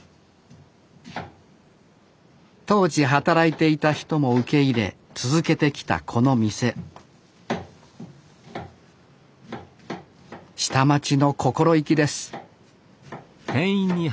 当時働いていた人も受け入れ続けてきたこの店下町の心意気です